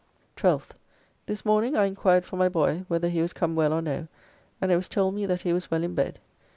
12th. This morning I inquired for my boy, whether he was come well or no, and it was told me that he was well in bed.